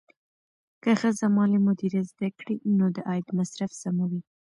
که ښځه مالي مدیریت زده کړي، نو د عاید مصرف سموي.